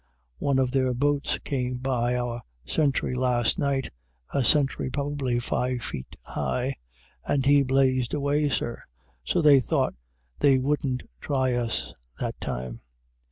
One of their boats came by our sentry last night," (a sentry probably five feet high), "and he blazed away, Sir. So they thought they wouldn't try us that time."